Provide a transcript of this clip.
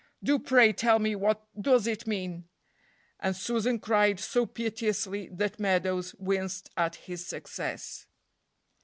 Do pray tell me what does it mean!" and Susan cried so piteously that Meadows winced at his success.